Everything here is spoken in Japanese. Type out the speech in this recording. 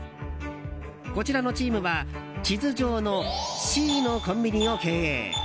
こちらのチームは地図上のＣのコンビニを経営。